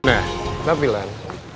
nah tapi lan